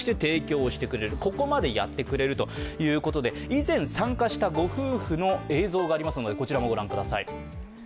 以前参加したご夫婦の映像がありますのでご覧ください。